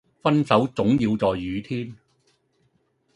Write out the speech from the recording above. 分手總要在雨天